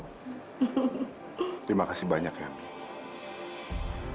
terima kasih banyak yamin